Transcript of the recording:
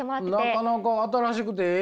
なかなか新しくてええやん。